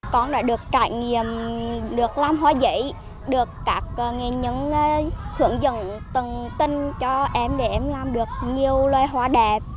con đã được trải nghiệm được làm hoa giấy được các nghệ nhân hướng dẫn từng tin cho em để em làm được nhiều loài hoa đẹp